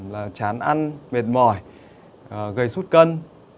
là chán ăn mệt mỏi gây xuất cân